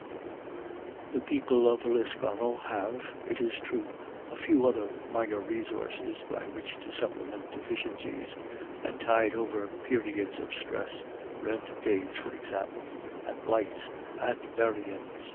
The people of Lisconnel have, it is true, a few other minor resources by which to supplement deficiencies, and tide over periods of stress, rent days, for example, and blights, and " buryin's."